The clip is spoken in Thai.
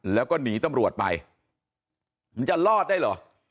แล้วก็หนีตำรวจไปมันจะรอดได้เหรอ